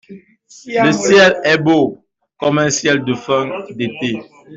Le ciel est beau, comme un ciel de fin d’été.